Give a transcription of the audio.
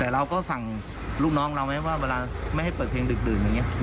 แต่เราก็สั่งลูกน้องเราไหมว่าเวลาไม่ให้เปิดเพลงดึกดื่นอย่างนี้